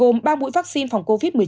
gồm ba mũi vaccine phòng covid một mươi chín